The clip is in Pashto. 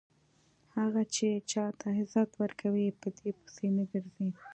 هغه چې چاته عزت ورکوي په دې پسې نه ګرځي.